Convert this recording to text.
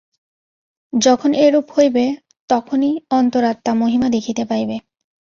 যখন এরূপ হইবে, তখনই অন্তরাত্মা মহিমা দেখিতে পাইবে।